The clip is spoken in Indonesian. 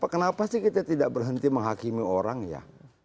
kenapa sih kita tidak berhenti menghakimi orang ya